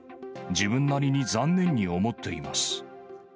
自分なりに残念に思っています。